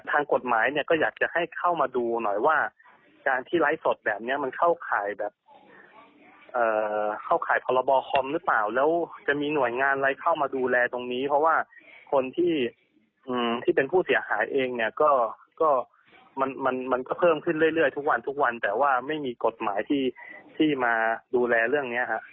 ทางกฎหมายเนี่ยก็อยากจะให้เข้ามาดูหน่อยว่าการที่ไลฟ์สดแบบนี้มันเข้าข่ายแบบเข้าข่ายพรบคอมหรือเปล่าแล้วจะมีหน่วยงานอะไรเข้ามาดูแลตรงนี้เพราะว่าคนที่เป็นผู้เสียหายเองเนี่ยก็มันมันก็เพิ่มขึ้นเรื่อยทุกวันทุกวันแต่ว่าไม่มีกฎหมายที่มาดูแลเรื่องนี้ฮะ